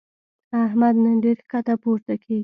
احمد نن ډېر ښکته پورته کېږي.